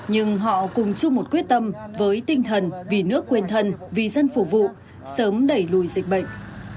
nhưng họ cùng chung một quyết tâm với tinh thần vì nước quên thân vì dân phục vụ sớm đẩy lùi dịch bệnh